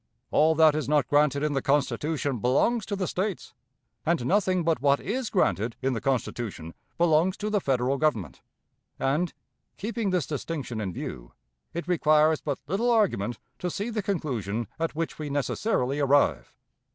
All that is not granted in the Constitution belongs to the States; and nothing but what is granted in the Constitution belongs to the Federal Government; and, keeping this distinction in view, it requires but little argument to see the conclusion at which we necessarily arrive.